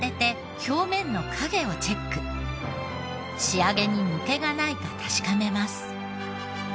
仕上げに抜けがないか確かめます。